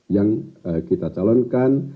yang kita calonkan